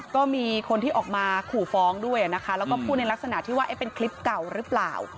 ก็มีคนที่ออกมาขู่ฟ้องด้วยนะคะแล้วก็พูดในลักษณะที่ว่าเป็นคลิปเก่าหรือเปล่า